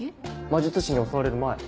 魔術師に襲われる前。